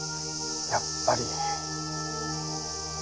やっぱり。